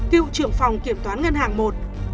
cựu trưởng phòng kiểm toán ngân hàng i